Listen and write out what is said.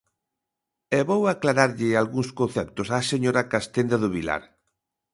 E vou aclararlle algúns conceptos á señora Castenda do Vilar.